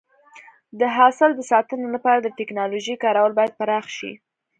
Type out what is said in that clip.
د حاصل د ساتنې لپاره د ټکنالوژۍ کارول باید پراخ شي.